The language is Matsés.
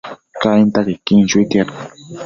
Cainta quequin chuitiad